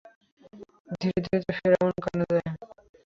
ধীরে ধীরে তা ফিরআউনের কানে যায়।